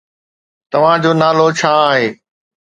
توهان جو نالو ڇا آهي؟